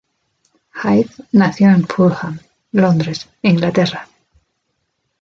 Hyde nació en Fulham, Londres, Inglaterra.